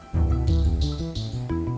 saya juga bers dorong